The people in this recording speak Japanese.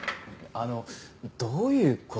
あのどういう事ですか？